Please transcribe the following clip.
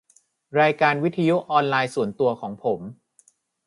รายการวิทยุออนไลน์ส่วนตัวของผม